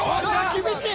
厳しい！